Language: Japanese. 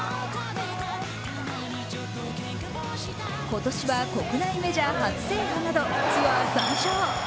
今年は国内メジャー初制覇などツアー３勝。